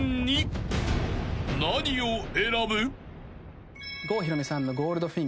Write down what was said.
［何を選ぶ？］